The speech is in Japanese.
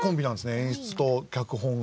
演出と脚本が。